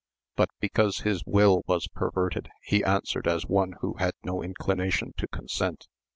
But because his will was perverted he answered as one who had no inclination to consent.